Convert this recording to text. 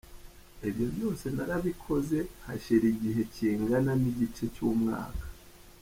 Ibyo byose narabikoze hashira igihe kingana n’igice cy’umwaka.